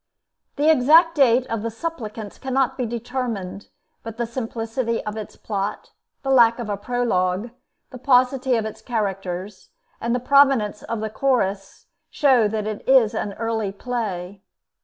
The exact date of the 'Suppliants' cannot be determined; but the simplicity of its plot, the lack of a prologue, the paucity of its characters, and the prominence of the Chorus, show that it is an early play.